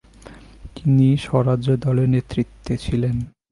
তিনি স্বরাজ্য দলের নেতৃত্বে ছিলেন।